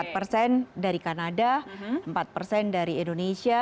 empat persen dari kanada empat persen dari indonesia